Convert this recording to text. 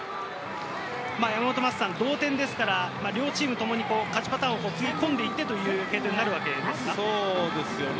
同点ですから、両チームともに勝ちパターンを送り込んでいってという継投になるわけですか？